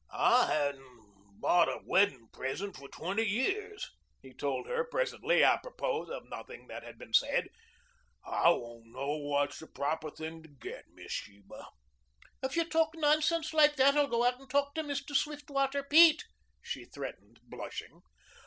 "I haven't bought a wedding present for twenty years," he told her presently, apropos of nothing that had been said. "I won't know what's the proper thing to get, Miss Sheba." "If you talk nonsense like that I'll go out and talk to Mr. Swiftwater Pete," she threatened, blushing.